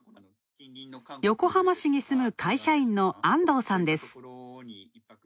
横浜市に住む会社員の安藤さんです。